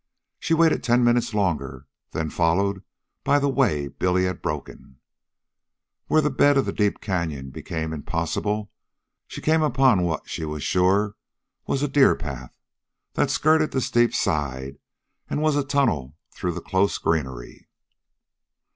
She waited ten minutes longer, then followed by the way Billy had broken. Where the bed of the canyon became impossible, she came upon what she was sure was a deer path that skirted the steep side and was a tunnel through the close greenery.